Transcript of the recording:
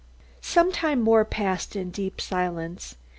Some time more passed in deep silence.